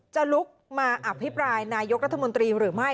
จะลุกมาอภิปรายนายกรัฐมนตรีหรือไม่